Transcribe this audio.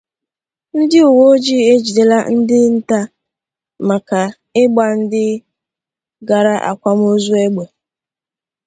Ndị Uweojii Ejidela Ndị Nta Maka Ịgba Ndị Gara Akwamozu Égbè